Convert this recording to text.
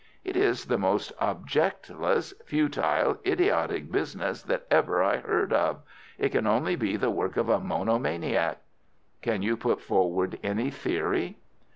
"It is the most objectless, futile, idiotic business that ever I heard of. It can only be the work of a monomaniac." "Can you put forward any theory?"